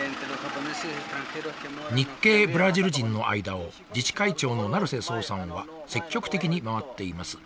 日系ブラジル人の間を自治会長の成瀬壮さんは積極的に回っています。